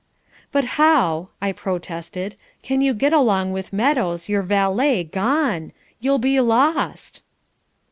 '" "But how," I protested, "can you get along with Meadows, your valet, gone? You'll be lost!"